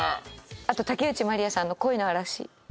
あと竹内まりやさんの「恋の嵐」